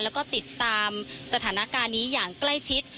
แล้วก็ติดตามสถานการณ์นี้อย่างใกล้ชิด